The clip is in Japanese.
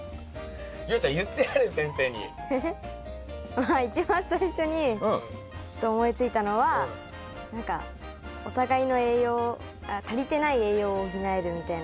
まあ一番最初にちょっと思いついたのは何かお互いの栄養足りてない栄養を補えるみたいな感じ。